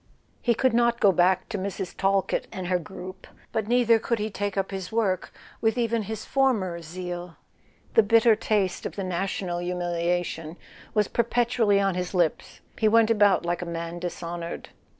He could not go back to Mrs. Talkett and her group; but neither could he take up his work with even his former zeal. The bitter taste of the national humiliation was perpetually on his lips: he went about like a man dishonoured.